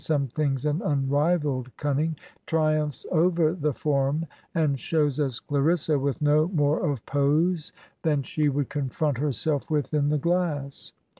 some things an unrivalled cunning) triimiphs over the form and shows us Clarissa with no more of pose than she would confront herself with in the glass.